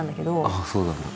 あっそうなんだ。